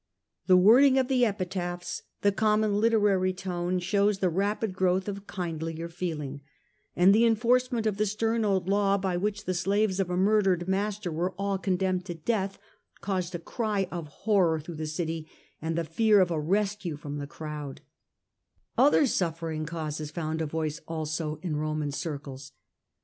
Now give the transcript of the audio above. The wording oi the epitaphs, the common literary tone, shows the rapid growA of kindlier feeling; and the enforcement of the stem old law by which the slaves of a murdered master were all condemned to death caused a cry of horror through the city, and the fear of a rescue from the crowd, and other Other Suffering causes found a voice also in evils. Roman circles.